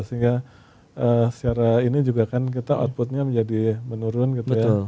sehingga secara ini juga kan kita outputnya menjadi menurun gitu ya